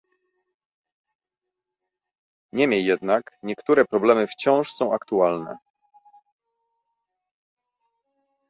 Niemniej jednak, niektóre problemy wciąż są aktualne